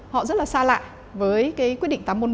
họ rất là xa lạ với cái quyết định